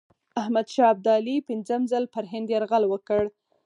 احمدشاه ابدالي پنځم ځل پر هند یرغل وکړ.